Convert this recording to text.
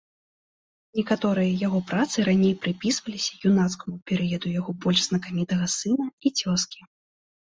Некаторыя яго працы раней прыпісваліся юнацкаму перыяду яго больш знакамітага сына і цёзкі.